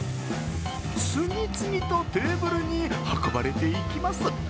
次々とテーブルに運ばれていきます。